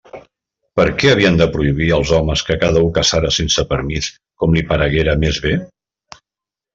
Per què havien de prohibir els homes que cada u caçara sense permís, com li pareguera més bé?